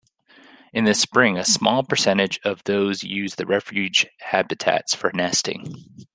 In the spring, a small percentage of those use the refuge habitats for nesting.